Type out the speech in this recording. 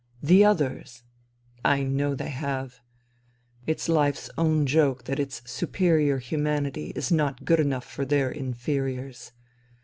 The others. I know they have. It's life's own joke that its superior humanity is not good enough for their inferiors.